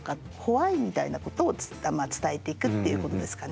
ｗｈｙみたいなことを伝えていくっていうことですかね。